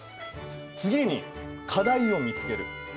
次に課題を見つける。